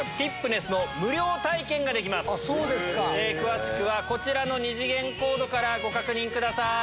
詳しくはこちらの２次元コードからご確認ください。